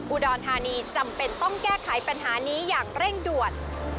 อุดรธานีจำเป็นต้องแก้ไขปัญหานี้อย่างเร่งด่วน